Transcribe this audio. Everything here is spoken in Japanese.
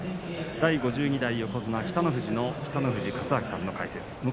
第５２代横綱北の富士の北の富士勝昭さんの解説です。